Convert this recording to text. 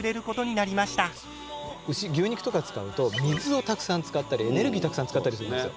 牛牛肉とか使うと水をたくさん使ったりエネルギーたくさん使ったりするんですよ。